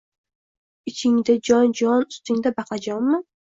Ichingda jon-jon ustingda baqlajonmi?